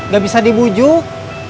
gak bisa dibujuk